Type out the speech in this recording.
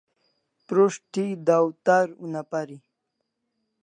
Prus't thi dawtar una pari